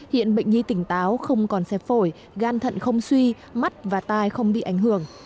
hiện bệnh nhi tỉnh táo không còn xe phổi gan thận không suy mắt và tai không bị ảnh hưởng